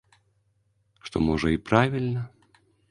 Што, можа, і правільна.